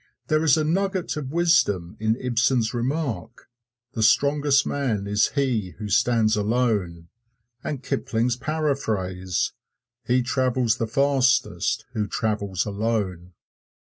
There is a nugget of wisdom in Ibsen's remark, "The strongest man is he who stands alone," and Kipling's paraphrase, "He travels the fastest who travels alone."